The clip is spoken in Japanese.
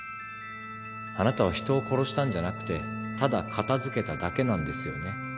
あなたは人を殺したんじゃなくてただ片付けただけなんですよね？